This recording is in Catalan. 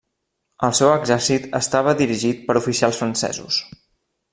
El seu exèrcit estava dirigit per oficials francesos.